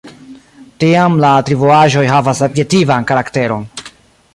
Tiam la atribuaĵoj havas adjektivan karakteron.